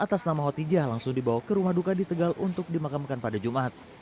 yang dianggap tijah langsung dibawa ke rumah duka di tegal untuk dimakamkan pada jumat